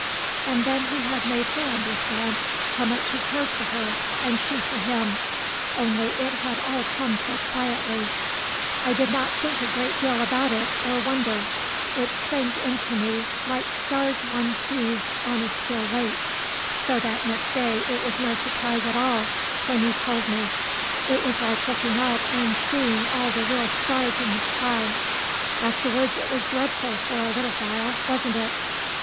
And then he had made her understand how much he cared for her and she for him; only it had all come so quietly; "I did not think a great deal about it, or wonder; it sank into me like stars one sees in a still lake, so that next day it was no surprise at all, when you told me; it was like looking up and seeing all the real stars in the sky. Afterwards it was dreadful for a little while, wasn't it?"